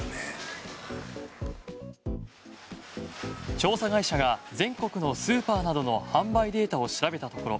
調査会社が全国のスーパーなどの販売データを調べたところ